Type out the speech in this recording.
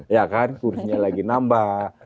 ya kan kursinya lagi nambah